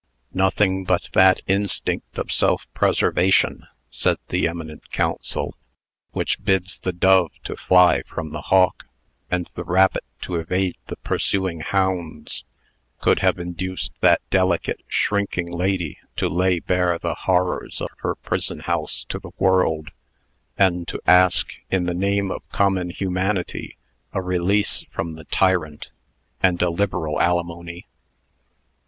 "Nothing but that instinct of self preservation," said the eminent counsel, "which bids the dove to fly from the hawk, and the rabbit to evade the pursuing hounds, could have induced that delicate, shrinking lady to lay bare the horrors of her prison house to the world, and to ask, in the name of common humanity, a release from the tyrant, and a liberal alimony."